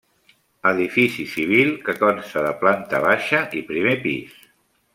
Edifici civil que consta de planta baixa i primer pis.